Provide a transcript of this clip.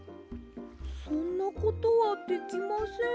そんなことはできません。